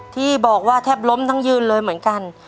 ที่บอกว่าแทบล้มทั้งยืนเลยเหมือนกัน